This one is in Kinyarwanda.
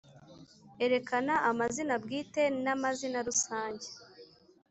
. Erekana amazina bwite na mazina rusange